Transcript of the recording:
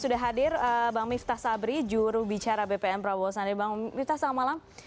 sudah hadir bang miftah sabri juru bicara bpn prabowo sandi bang miftah selamat malam